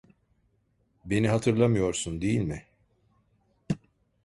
Beni hatırlamıyorsun, değil mi?